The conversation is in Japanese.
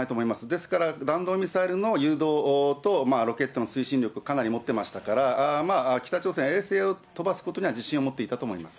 ですから弾道ミサイルの誘導と、ロケットの推進力、かなり持ってましたから、北朝鮮、衛星を飛ばすことには自信を持っていたと思います。